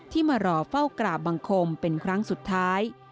มารอเฝ้ากราบบังคมเป็นครั้งสุดท้าย